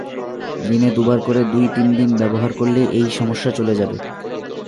দিনে দুবার করে দুই তিন দিন ব্যবহার করলেই এই সমস্যা চলে যাবে।